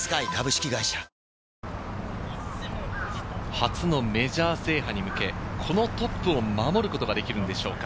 初のメジャー制覇に向け、このトップを守ることができるのでしょうか？